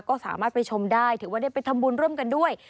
ก็สามารถไปชมได้ถือว่าได้ไปทำบุญร่วมกันด้วย